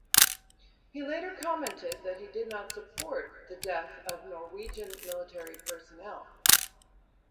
He later commented that he did not support the death of Norwegian military personnel.